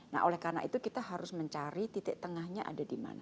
nah oleh karena itu kita harus mencari titik tengahnya ada di mana